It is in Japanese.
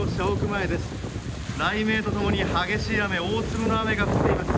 雷鳴と共に激しい大粒の雨が降っています。